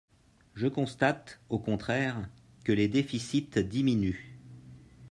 Je constate, au contraire, que les déficits diminuent.